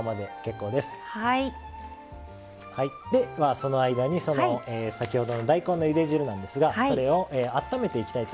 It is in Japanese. その間に先ほどの大根のゆで汁なんですがそれをあっためていきたいと思います。